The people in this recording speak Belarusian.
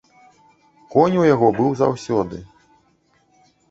Конь у яго быў заўсёды.